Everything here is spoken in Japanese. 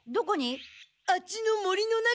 あっちの森の中に。